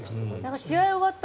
試合終わった